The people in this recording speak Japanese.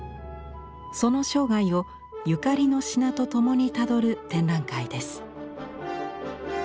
その生涯をゆかりの品と共にたどる展覧会です。